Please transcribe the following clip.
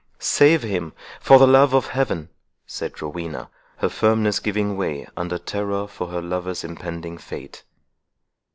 "Save him, for the love of Heaven!" said Rowena, her firmness giving way under terror for her lover's impending fate.